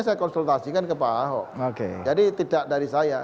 saya konsultasikan ke pak ahok jadi tidak dari saya